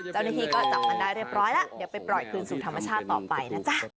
เจ้าหน้าที่ก็จับมันได้เรียบร้อยแล้วเดี๋ยวไปปล่อยคืนสู่ธรรมชาติต่อไปนะจ๊ะ